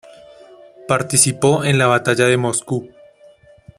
Participó en la Batalla de Moscú.